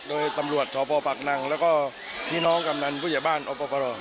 โดยตำรวจสพปากนังแล้วก็พี่น้องกำนันผู้ใหญ่บ้านอปร